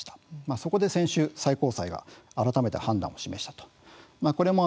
そこで先週最高裁が改めて判断を示したということです。